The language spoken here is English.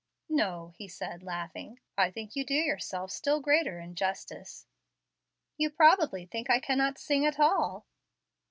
"No," said he, laughing, "I think you do yourself still greater injustice." "You probably think I cannot sing at all."